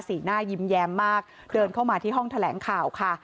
สีหน้ายิ้มแย้มมากเดินเข้ามาที่ห้องแถลงข่าวค่ะ